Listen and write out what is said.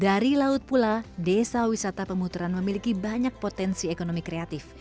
dari laut pula desa wisata pemuteran memiliki banyak potensi ekonomi kreatif